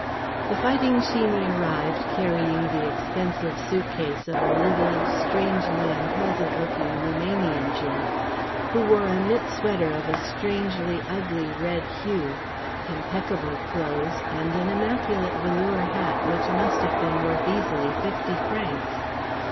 The Fighting Sheeney arrived carrying the expensive suitcase of a livid, strangely unpleasant looking Roumanian gent, who wore a knit sweater of a strangely ugly red hue, impeccable clothes, and an immaculate velour hat which must have been worth easily fifty francs.